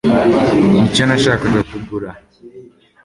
Nicyo nashakaga kugura